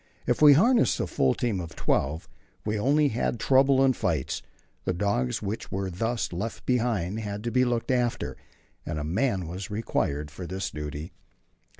If we harnessed the full team of twelve, we only had trouble and fights. The dogs which were thus left behind had to be looked after, and a man was required for this duty.